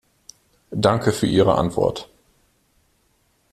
Danke für Ihre Antwort.